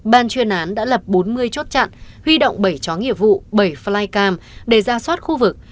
ban chuyên án đã lập bốn mươi chốt chặn huy động bảy chó nghiệp vụ bảy flycam để ra soát khu vực